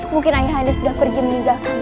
mungkin ayahanda sudah pergi meninggalkan tempat ini